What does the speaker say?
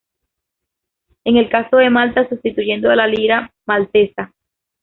En el caso de Malta, sustituyendo a la lira maltesa.